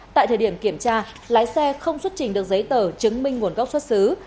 tại thời điểm kiểm tra lái xe không xuất trình được giấy tờ chứng minh nguồn gốc xuất xứ